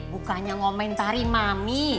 bukannya ngomentari mami